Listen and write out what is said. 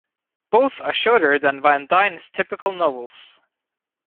Both are shorter than Van Dine's typical novels.